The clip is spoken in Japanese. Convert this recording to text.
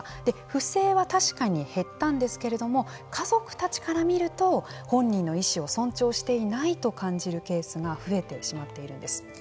不正は確かに減ったんですけれども家族たちから見ると本人の意思を尊重していないと感じるケースが増えてしまっているんです。